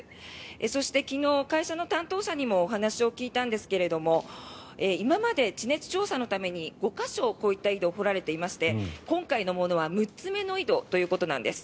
そして、昨日、会社の担当者にもお話を聞いたんですが今まで地熱調査のために５か所、こういった井戸掘られていまして今回のものは６つ目の井戸ということなんです。